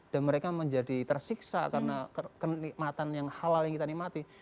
dan mereka menjadi tersiksa karena kenikmatan yang halal yang kita nikmati